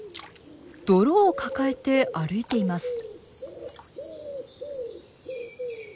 泥を抱えて歩いています。